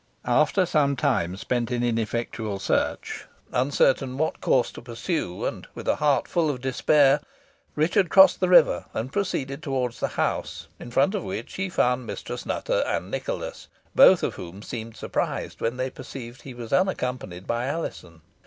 After some time spent in ineffectual search, uncertain what course to pursue, and with a heart full of despair, Richard crossed the river, and proceeded towards the house, in front of which he found Mistress Nutter and Nicholas, both of whom seemed surprised when they perceived he was unaccompanied by Alizon.